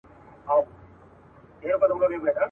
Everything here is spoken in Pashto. شور د کربلا کي به د شرنګ خبري نه کوو.